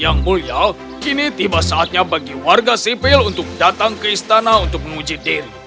yang mulia kini tiba saatnya bagi warga sipil untuk datang ke istana untuk menguji diri